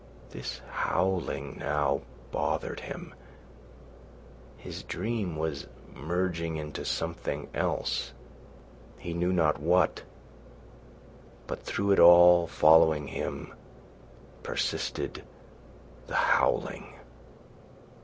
This howling now bothered him. His dream was merging into something else—he knew not what; but through it all, following him, persisted the howling.